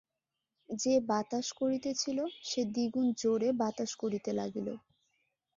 যে বাতাস করিতেছিল, সে দ্বিগুণ জোরে বাতাস করিতে লাগিল।